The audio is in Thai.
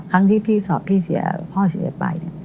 ครั้งที่พี่เสียพ่อเสียไป